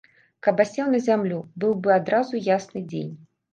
Каб асеў на зямлю, быў бы адразу ясны дзень.